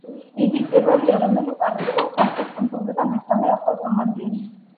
იგი პირველი ეროვნული პარკი იყო სამხრეთ კუნძულზე და მესამე ახალ ზელანდიაში.